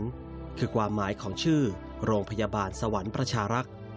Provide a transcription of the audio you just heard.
นั่นคือความหมายของชื่อโรงพยาบาลสวรรค์ประชารักษ์